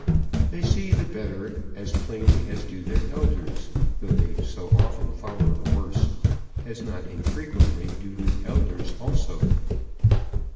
They see the better as plainly as do their elders, though they so often follow the worse, as not unfrequently do the elders also.